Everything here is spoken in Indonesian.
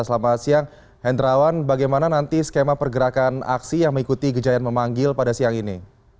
selamat siang hendrawan bagaimana nanti skema pergerakan aksi yang mengikuti gejayan memanggil pada siang ini